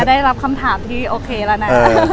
ได้รับคำถามที่โอเคแล้วนะ